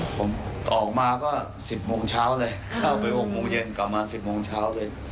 ผมออกมาก็๑๐โมงเช้าเลยเข้าไป๖โมงเย็นกลับมา๑๐โมงเช้าเลย